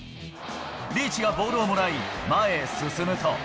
リーチがボールをもらい、前へ進むと。